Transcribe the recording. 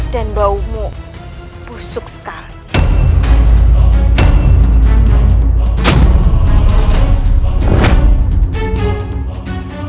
dan baumu busuk sekali